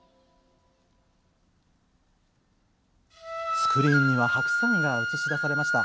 スクリーンには白山が映し出されました。